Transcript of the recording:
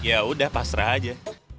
ya udah pasrah aja